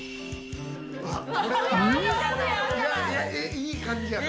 いい感じやな。